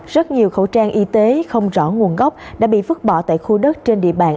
rất nhiều khẩu trang y tế không rõ nguồn gốc đã bị vứt bỏ tại khu đất trên địa bàn